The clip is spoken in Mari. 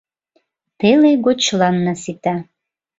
Теле гочланна сита.